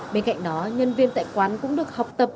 bên cạnh đó nhân viên tại quán cũng được học tập